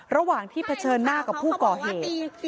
ระหว่างที่เผชิญหน้ากับผู้ก่อเหตุ